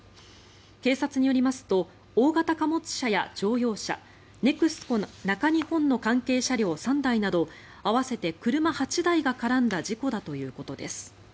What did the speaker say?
警察によりますと大型貨物車や乗用車ネクスコ中日本の関係車両３台など合わせて車８台が絡んだ事故だということです。